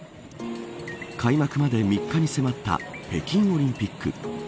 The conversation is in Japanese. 開幕まで３日に迫った北京オリンピック。